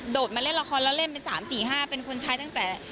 มาเล่นละครแล้วเล่นเป็น๓๔๕เป็นคนใช้ตั้งแต่